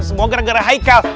semoga gara gara haikal